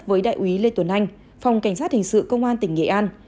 với đại úy lê tuấn anh phòng cảnh sát hình sự công an tỉnh nghệ an